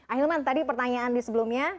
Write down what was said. ahilman tadi pertanyaan di sebelumnya